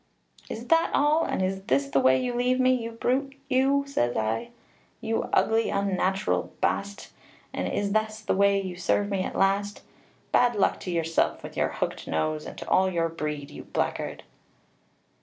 "'Is that all, and is this the way you leave me, you brute, you,' says I. 'You ugly unnatural baste, and is this the way you serve me at last? Bad luck to yourself, with your hook'd nose, and to all your breed, you blackguard.'